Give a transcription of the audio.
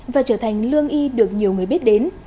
và trở thành lương y được nhiều người biết đến